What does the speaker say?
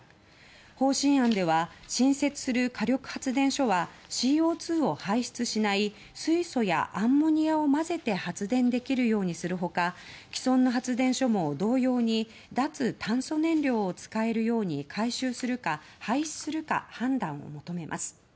方針案では新設する火力発電所はＣＯ２を排出しない水素やアンモニアを混ぜて発電できるようにする他既存の発電所も同様に脱炭素燃料を使えるように改修するか廃止するか判断求めます。